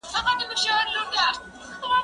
زه مخکي سندري اورېدلي وې!.